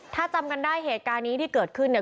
ถ้าจำกันได้เหตุการณ์นี้ที่เกิดขึ้นเนี่ย